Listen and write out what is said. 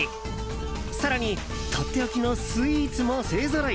更に、とっておきのスイーツも勢ぞろい。